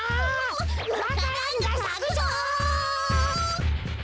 わか蘭がさくぞ！